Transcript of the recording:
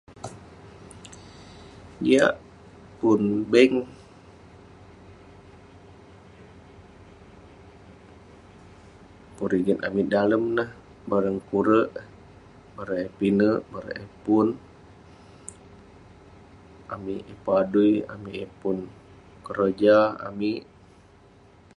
Jiak pun bank, pun rigit amik dalem neh, bareng kureg eh..bareng eh pinek, bareng eh pun..amik yeng pun adui, amik yeng pun keroja, amik..